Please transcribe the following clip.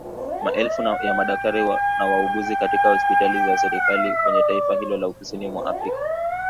Maelfu ya madaktari na wauguzi katika hospitali za serikali kwenye taifa hilo la kusini mwa Afrika